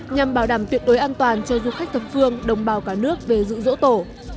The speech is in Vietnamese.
nhằm bảo đảm tuyệt đối an toàn cho du khách thập phương đồng bào cả nước về dự dỗ tổ